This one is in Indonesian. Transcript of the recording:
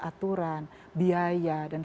aturan biaya dan